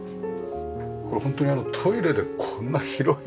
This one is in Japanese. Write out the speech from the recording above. これホントにトイレでこんな広い開口珍しいよね。